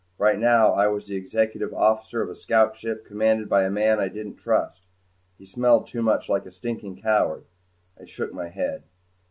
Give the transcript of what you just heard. Right now I was the Executive Officer of a scout ship commanded by a man I didn't trust. He smelled too much like a stinking coward. I shook my head.